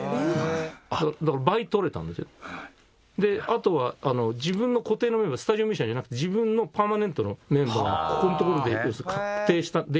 あとは自分の固定のメンバースタジオミュージシャンじゃなくて自分のパーマネントのメンバーがここのところで確定できたので。